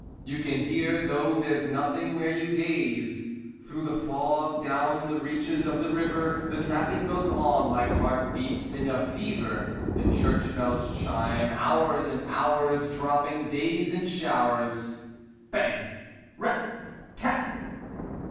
You can hear, though there's nothing where you gaze. Through the fog down the reaches of the river, The tapping goes on like heart beats in a fever. The church bells chime Hours and hours, Dropping days in showers. Bang! Rap! Tap!